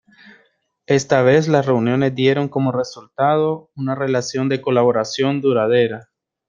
Esta vez las reuniones dieron como resultado una relación de colaboración duradera.